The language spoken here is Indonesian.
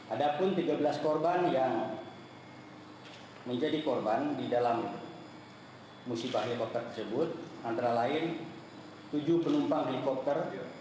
ada pun tiga belas korban yang menjadi korban di dalam musibah helikopter tersebut antara lain tujuh penumpang helikopter